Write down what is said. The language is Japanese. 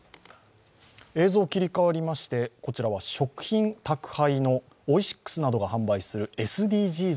映像切り替わりましてこちらは食品宅配などのオイシックスなどが販売するＳＤＧｓ